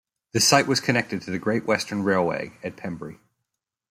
The site was connected to the Great Western Railway at Pembrey.